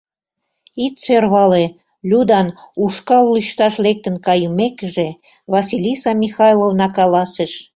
— Ит сӧрвале, — Людан ушкал лӱшташ лектын кайымекыже, Василиса Михайловна каласыш.